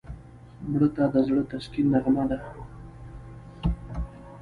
مړه ته د زړه تسکین نغمه ده